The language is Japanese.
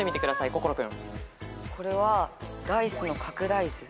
心君。